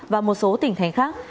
và một số tỉnh thành khác